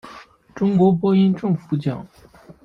中国播音政府奖。